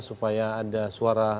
supaya ada suara